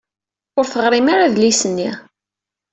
Ur teɣrim ara adlis-nni.